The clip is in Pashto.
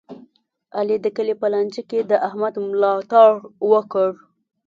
علي د کلي په لانجه کې د احمد ملا تړ وکړ.